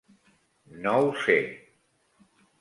No ho sé;